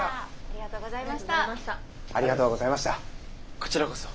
こちらこそ。